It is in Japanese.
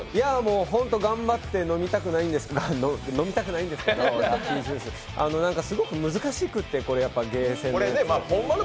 本当に頑張って、飲みたくないんですけど、すごく難しくて、ゲーセンのやつ。